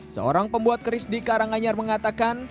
seorang pembuat keris di karanganyar mengatakan